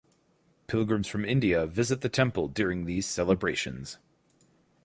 Pilgrims from India visit the temple during these celebrations.